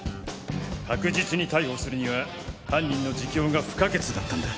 確実に逮捕するには犯人の自供が不可欠だったんだ。